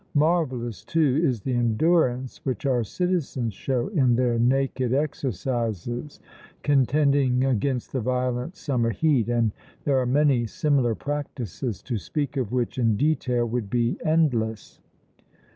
Marvellous, too, is the endurance which our citizens show in their naked exercises, contending against the violent summer heat; and there are many similar practices, to speak of which in detail would be endless.